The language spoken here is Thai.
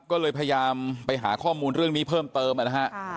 ก็เลยพยายามไปหาข้อมูลเรื่องนี้เพิ่มเติมนะฮะ